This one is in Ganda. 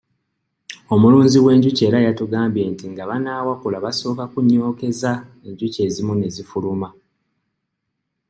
Omulunzi w'enjuki era yatugambye nti nga banaawakula basooka kunyookeza enjuki ezimu ne zifuluma.